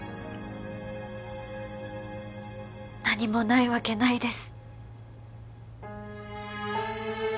何もないわけないです